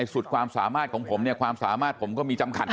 สุดความสามารถของผมเนี่ยความสามารถผมก็มีจำขัด